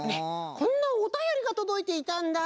こんなおたよりがとどいていたんだ。